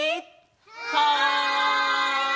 はい！